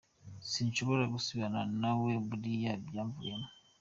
Sinshobora gusubirana na we, biriya byamvuyemo.